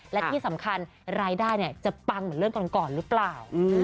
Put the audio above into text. และที่สำคัญรายได้จะปังเหมือนเรื่องก่อนหรือเปล่า